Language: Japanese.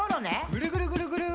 ぐるぐるぐるぐる！